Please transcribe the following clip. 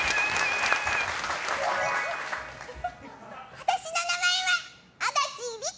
私の名前は足立梨花。